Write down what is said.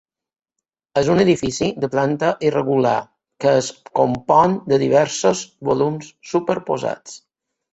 És un edifici de planta irregular que es compon de diversos volums superposats.